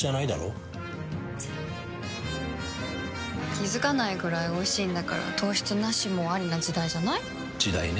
気付かないくらいおいしいんだから糖質ナシもアリな時代じゃない？時代ね。